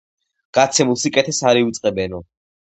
გაცემულ სიკეთეს არ ივიწყებენო